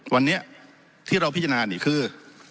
วันนี้ที่เราพิจารณานี่คือ